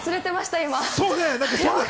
今。